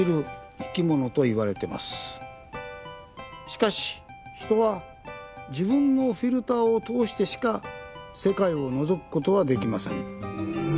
しかし人は自分のフィルターを通してしか世界をのぞくことはできません。